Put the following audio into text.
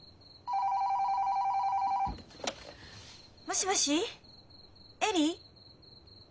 ☎もしもし恵里？